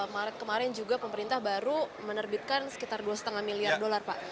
maret kemarin juga pemerintah baru menerbitkan sekitar dua lima miliar dolar pak